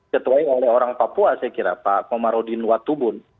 ketuai oleh orang papua saya kira pak komarudin watubun